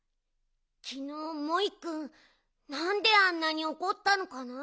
きのうモイくんなんであんなにおこったのかな？